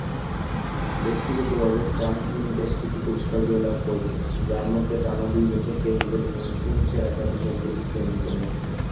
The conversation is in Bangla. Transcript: ব্যক্তিগতভাবে, চাং-হুন বেশ কিছু পুরস্কার জয়লাভ করেছেন, যার মধ্যে টানা দুই বছর কে লীগের মৌসুম সেরা একাদশে অন্তর্ভুক্তি অন্যতম।